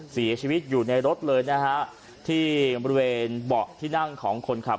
เสียชีวิตอยู่ในรถเลยนะฮะที่บริเวณเบาะที่นั่งของคนขับ